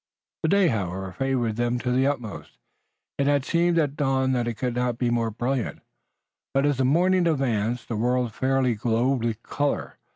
The day, however, favored them to the utmost. It had seemed at dawn that it could not be more brilliant, but as the morning advanced the world fairly glowed with color.